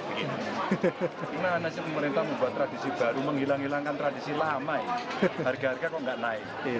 karena nasib pemerintah membuat tradisi baru menghilang hilangkan tradisi lamai harga harga kok gak naik